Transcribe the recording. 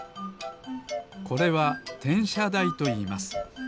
これはてんしゃだいといいます。